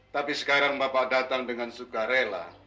tapi sekarang bapak datang dengan sukarela